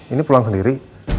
ini pulang sendiri